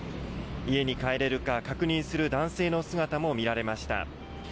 家に帰れるか確認する男性の姿も見られました。